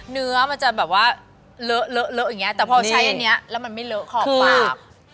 เนื้อมันจะแบบว่าเลอะแต่พอใช้อันเนี้ยแล้วมันไม่เล้าขอบปาก